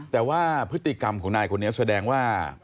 แต่ว่าพฤติกรรมของนายคนนี้แสดงว่า